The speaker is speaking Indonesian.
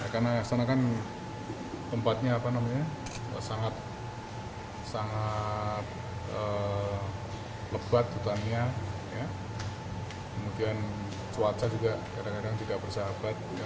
karena sana kan tempatnya sangat lebat kemudian cuaca juga kadang kadang tidak bersahabat